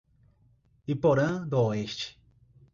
Iporã do Oeste